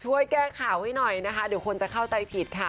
ช่วยแก้ข่าวให้หน่อยนะคะเดี๋ยวคนจะเข้าใจผิดค่ะ